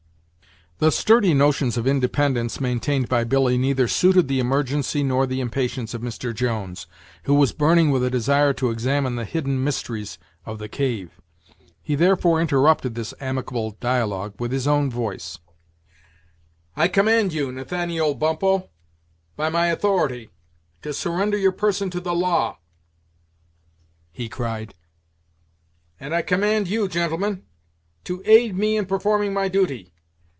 The sturdy notions of independence maintained by Billy neither suited the emergency nor the impatience of Mr. Jones, who was burning with a desire to examine the hid den mysteries of the cave. He therefore interrupted this amicable dialogue with his own voice; "I command you Nathaniel Bumppo, by my authority, to surrender your person to the law," he cried. "And I command you, gentlemen, to aid me in performing my duty.